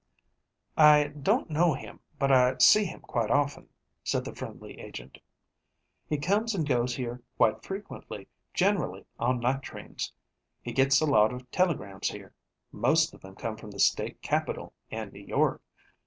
"I don't know him, but I see him quite often," said the friendly agent. "He comes and goes here quite frequently, generally on night trains. He gets a lot of telegrams here. Most of them come from the state capital and New York.